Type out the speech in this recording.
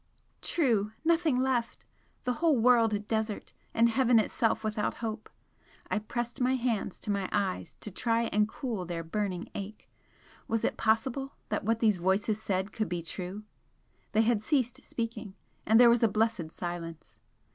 True! Nothing left! The whole world a desert, and Heaven itself without hope! I pressed my hands to my eyes to try and cool their burning ache was it possible that what these voices said could be true? They had ceased speaking, and there was a blessed silence.